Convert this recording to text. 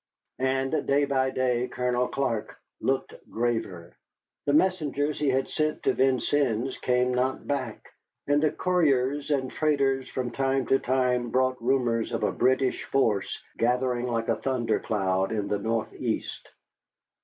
And day by day Colonel Clark looked graver. The messengers he had sent to Vincennes came not back, and the coureurs and traders from time to time brought rumors of a British force gathering like a thundercloud in the northeast.